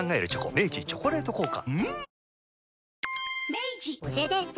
明治「チョコレート効果」